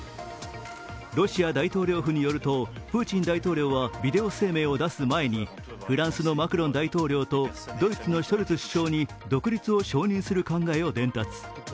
ロシア大統領府によるとプーチン大統領はビデオ声明を出す前にフランスのマクロン大統領とドイツのショルツ首相に独立を承認する考えを伝達。